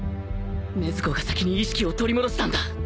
禰豆子が先に意識を取り戻したんだ